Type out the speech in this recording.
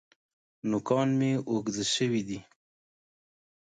نوکان مي اوږده شوي دي .